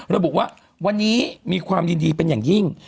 ระบุว่าวันนี้มีความยินดีเป็นอย่างยิ่ง